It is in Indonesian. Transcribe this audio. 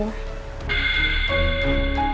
paket makanan buat bu andin